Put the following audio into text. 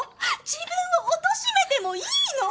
自分をおとしめてもいいの！？